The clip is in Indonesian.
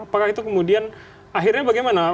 apakah itu kemudian akhirnya bagaimana